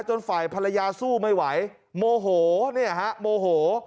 จนฝ่ายภรรยาสู้ไม่ไหวโมโหเนี่ยฮะโมโห